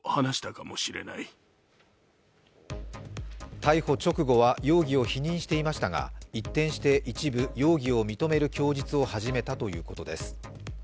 逮捕直後は容疑を否認していましたが、一転して一部容疑を認める供述を始めたということです。